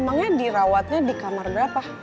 emangnya dirawatnya di kamar berapa